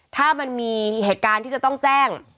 ถ้ามันมีเหตุการณ์ที่จะต้องแจ้ง